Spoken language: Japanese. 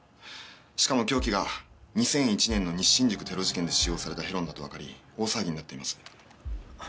しかも凶器が２００１年の西新宿テロ事件で使用されたヘロンだとわかり大騒ぎになっています。